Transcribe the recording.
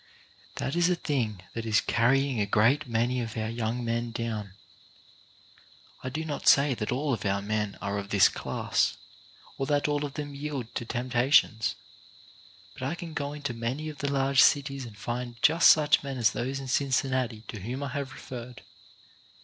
That is a thing that is carrying a great many of our young men down. I do not say that all of our men are of this class, or that all of them yield to temptations, because I can go into many of the large cities and find just such men as those in Cincinnati to whom I have referred.